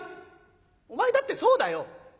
お前だってそうだよ。